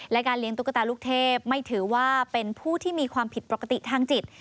และการเลี้ยงตุ๊กตาลูกเทพไม่ถือว่าเป็นผู้ที่มีความผิดปกติทางจิต